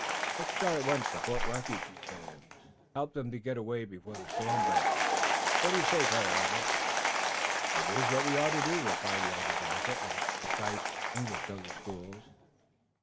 "Let's start at once for Fort Refuge," he said, "and help them to get away before the storm breaks. What do you say, Tayoga?" "It is what we ought to do," replied the Onondaga, in his precise English of the schools.